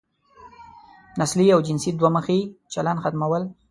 نسلي او جنسي دوه مخی چلن ختمول.